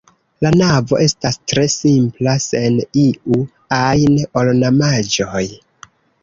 La navo estas tre simpla sen iu ajn ornamaĵoj.